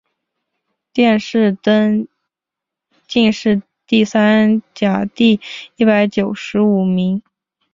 殿试登进士第三甲第一百九十五名。